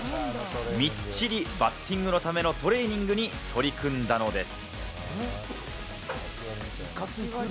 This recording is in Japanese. みっちりバッティングのためのトレーニングに取り組んだのです。